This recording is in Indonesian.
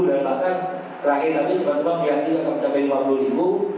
dan bahkan terakhir hari ini tiba tiba biar kita mencapai lima puluh ribu